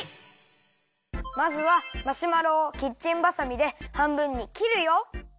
まずはマシュマロをキッチンばさみではんぶんにきるよ。